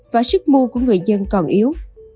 và sức mua của người dân còn yếu